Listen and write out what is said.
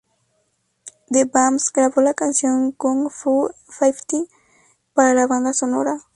The Vamps grabó la canción "Kung Fu Fighting" para la banda sonora.